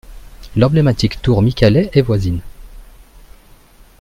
L'emblématique tour Micalet est voisine.